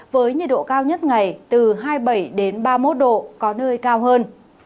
với nhiệt độ cao nhất ngày từ hai mươi bảy ba mươi một độ có nơi cao hơn